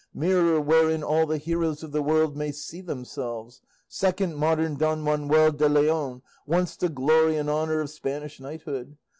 Mirror, wherein all the heroes of the world may see themselves! Second modern Don Manuel de Leon, once the glory and honour of Spanish knighthood!